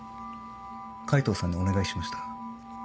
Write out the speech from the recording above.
海藤さんにお願いしました。